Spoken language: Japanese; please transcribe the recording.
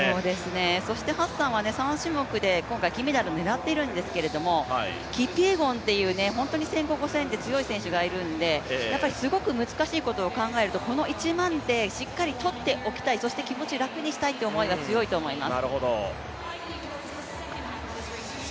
そしてハッサンは３種目で今回金メダルを狙っているんですけどキピエゴンという１５００、５０００の選手がいますのでやっぱりすごく難しいことを考えると、この１００００ｍってしっかり取っておきたい、そして気持ちを楽にしたいという思いが強いと思います。